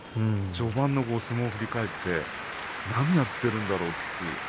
序盤の相撲を振り返って何やってるんだろうって。